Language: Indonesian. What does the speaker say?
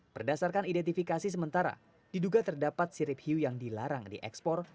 berdasarkan identifikasi sementara diduga terdapat sirip hiu yang dilarang diekspor